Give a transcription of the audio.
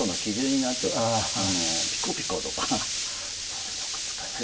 それよく使います。